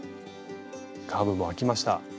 カーブもあきました。